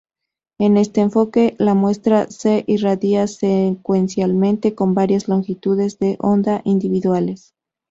En este enfoque, la muestra se irradia secuencialmente con varias longitudes de onda individuales.